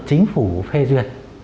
chính phủ phê duyệt